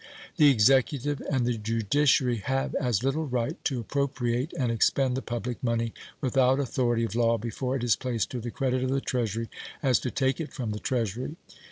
The Executive and the judiciary have as little right to appropriate and expend the public money without authority of law before it is placed to the credit of the Treasury as to take it from the Treasury.